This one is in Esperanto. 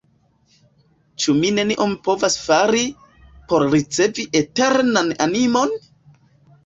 Ĉu mi nenion povas fari, por ricevi eternan animon?